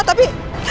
kita sudah berusaha